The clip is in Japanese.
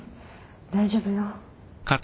大丈夫よ。